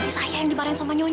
besar besar ni catsnya udah kosong